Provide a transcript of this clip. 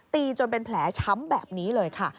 ตีจนเป็นแผลช้ำแบบนี้เลยค่ะ